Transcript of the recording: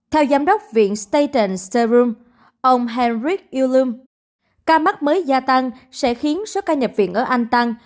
theo giám đốc viện staten serum ông henrik ullum ca mắc mới gia tăng sẽ khiến số ca nhập viện ở anh tăng